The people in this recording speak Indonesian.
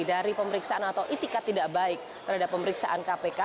dari pemeriksaan atau itikat tidak baik terhadap pemeriksaan kpk